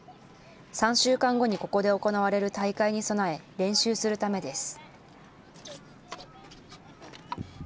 ３週間後にここで行われる大会に備え、練習するためです。